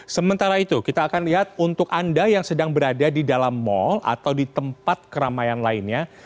sementara itu kita akan lihat untuk anda yang sedang berada di dalam mall atau di tempat keramaian lainnya